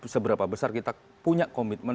seberapa besar kita punya komitmen